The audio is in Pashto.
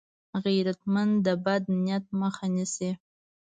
غیرتمند د بد نیت مخه نیسي